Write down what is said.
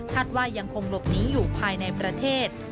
ว่ายังคงหลบหนีอยู่ภายในประเทศ